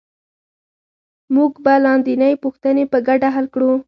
موږ به لاندینۍ پوښتنې په ګډه حل کړو